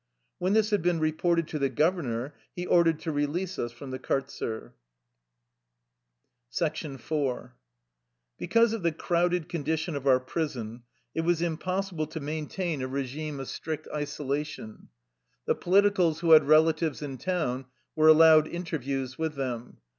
When this had been reported to the governor, he ordered to release us from the kartzer. IV Because of the crowded condition of our prison it was impossible to maintain a regime of 76 THE LIFE STORY OF A RUSSIAN EXILE strict isolation. The politicals wbo had rela tives in town were allowed interviews with them.